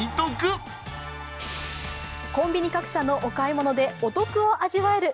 コンビニ各社のお買い物でお得を味わえる